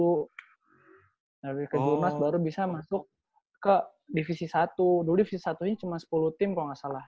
lalu ke jurnas baru bisa masuk ke divisi satu dulu divisi satu nya cuma sepuluh tim kalo ga salah